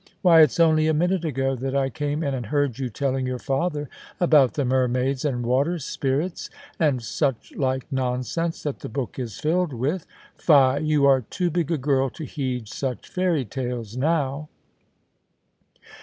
* Why, it's only a minute ago that I came in and heard you telling your father about the mermaids and water spirits, and such like nonsense that the book is filled with. Fie ! you are too big a girl to heed such fairy tales now.'